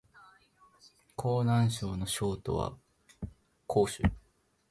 河南省の省都は鄭州